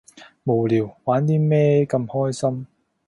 無聊，玩啲咩咁開心？